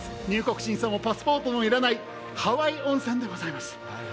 入国審査もパスポートも要らない、ハワイ温泉でございます。